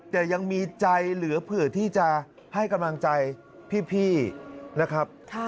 แต่ยังมีใจเหลือเผื่อที่จะให้กำลังใจพี่นะครับ